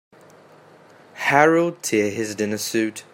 Harry'll tear his dinner suit.